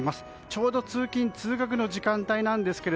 ちょうど通勤・通学の時間帯です。